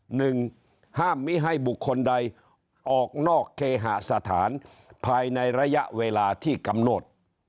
หนึ่งห้ามมิให้บุคคลใดออกนอกเคหสถานภายในระยะเวลาที่กำหนด